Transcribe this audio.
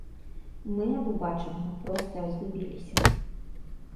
Мы ад убачанага проста разгубіліся.